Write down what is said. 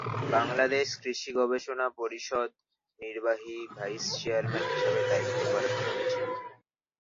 বাংলাদেশ কৃষি গবেষণা পরিষদ নির্বাহী ভাইস চেয়ারম্যান হিসাবে দায়িত্ব পালন করেছেন।